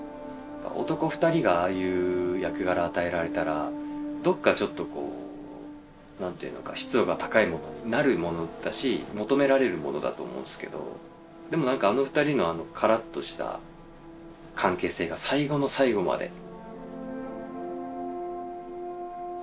男２人がああいう役柄与えられたらどこかちょっとこう何て言うのか湿度が高いものになるものだし求められるものだと思うんですけどでも何かあの２人のカラッとした関係性が最後の最後までやれたっていう。